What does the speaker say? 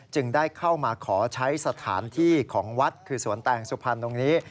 จึงได้เข้ามาขอใช้สถานที่ของวัดคือสวนแตงสุพรรณตรงนี้